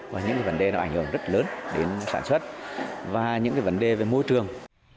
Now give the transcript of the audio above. và những vấn đề nó ảnh hưởng rất lớn đến sản xuất và những cái vấn đề về môi trường